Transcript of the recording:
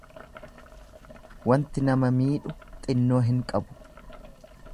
Wanti nama miidhu xinnoo hin qabu.